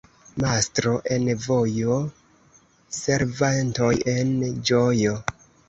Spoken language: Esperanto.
Mastro en vojo — servantoj en ĝojo.